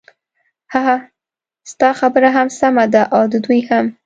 ههه ستا خبره هم سمه ده او د دوی هم.